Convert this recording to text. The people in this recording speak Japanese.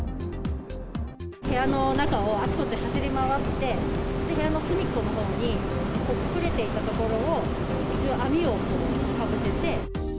部屋の中をあちこち走り回って、部屋の隅っこのほうに隠れていたところを、網をかぶせて。